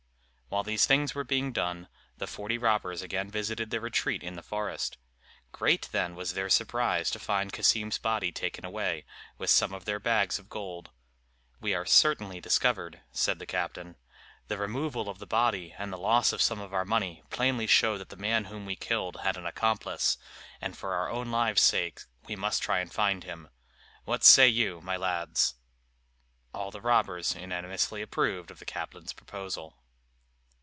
While these things were being done, the forty robbers again visited their retreat in the forest. Great, then, was their surprise to find Cassim's body taken away, with some of their bags of gold. "We are certainly discovered," said the captain. "The removal of the body and the loss of some of our money plainly show that the man whom we killed had an accomplice; and for our own lives' sake we must try and find him. What say you, my lads?" All the robbers unanimously approved of the captain's proposal.